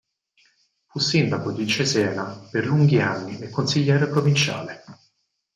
Fu sindaco di Cesena per lunghi anni e consigliere provinciale.